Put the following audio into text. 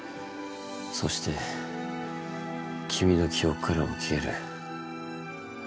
そして君の記憶からも消える。